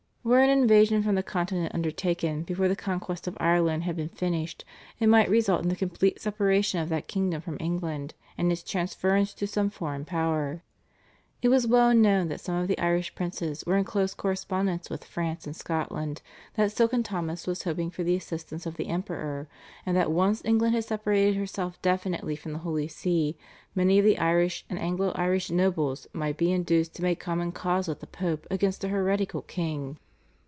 Were an invasion from the Continent undertaken before the conquest of Ireland had been finished it might result in the complete separation of that kingdom from England, and its transference to some foreign power. It was well known that some of the Irish princes were in close correspondence with France and Scotland, that Silken Thomas was hoping for the assistance of the Emperor, and that once England had separated herself definitely from the Holy See, many of the Irish and Anglo Irish nobles might be induced to make common cause with the Pope against a heretical king.